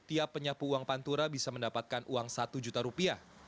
tiap penyapu uang pantura bisa mendapatkan uang satu juta rupiah